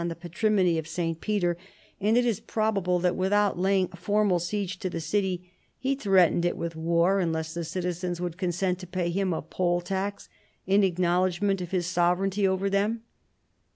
OH the " Patrimony of St. Peter," and it is probable that without laying formal siege to the city he threatened it with war unless the citizens would con sent to pay him a poll tax in acknowledgment of his sovereignty over them.